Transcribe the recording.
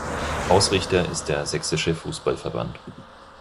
Ausrichter ist der Sächsische Fußballverband.